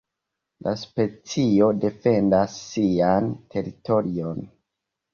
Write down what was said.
La specio defendas sian teritorion.